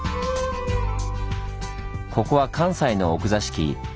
ここは関西の奥座敷